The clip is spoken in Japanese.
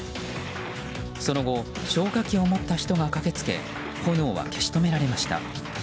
その後消火器を持った人が駆けつけ炎は消し止められました。